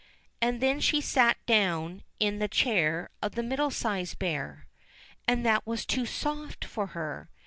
And then she sate down in the chair of the Middle sized Bear, and that was too soft for her.